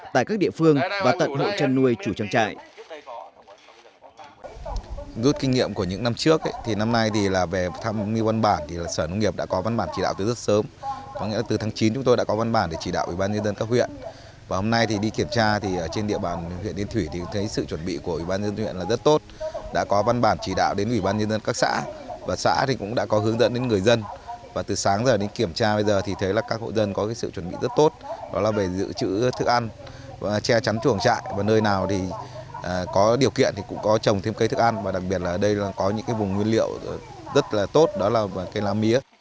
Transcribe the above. tại các địa phương và tận hộ chăn nuôi chủ trang trại